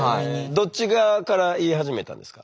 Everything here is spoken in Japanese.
どっち側から言い始めたんですか？